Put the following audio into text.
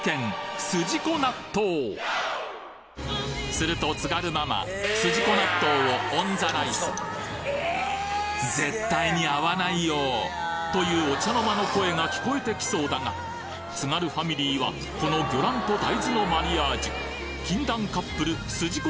すると津軽ママすじこ納豆をオンザライス「絶対に合わないよ！」というお茶の間の声が聞こえてきそうだが津軽ファミリーはこの魚卵と大豆のマリアージュ禁断カップルすじこ